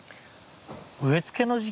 植え付けの時期？